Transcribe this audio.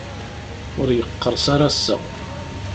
Ur yeqqerṣ ara ass-a.